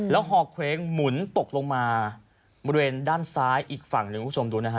แล้วฮอเคว้งหมุนตกลงมาบริเวณด้านซ้ายอีกฝั่งหนึ่งคุณผู้ชมดูนะฮะ